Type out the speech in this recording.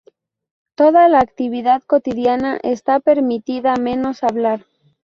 Toda la actividad cotidiana esta permitida, menos hablar.